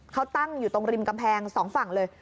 เขาตั้งอยู่ตรงริมกำแพงสองฝั่งเลย